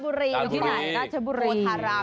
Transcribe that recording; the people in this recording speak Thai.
พอสอยู่ด้วยนะ